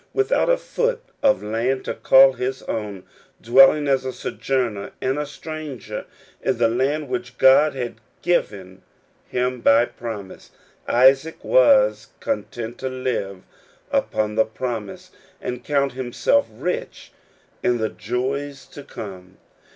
Without a foot of land to call his own, dwelling as a sojourner and a stranger in the land which God had given him by promise, Isaac was content to live upon the promise and count himself rich in joys to come.